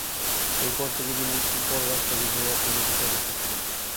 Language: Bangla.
এরপর থেকে তিনি পররাষ্ট্র বিষয়ক কমিটির সদস্য ছিলেন।